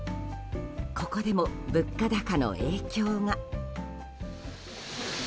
ここでも物価高の影響が。